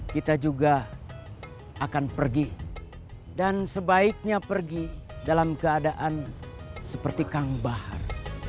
kita juga akan pergi dan sebaiknya pergi dalam keadaan seperti kang bahar